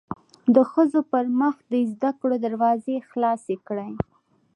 د ښځو پرمخ د زده کړو دروازې خلاصې کړی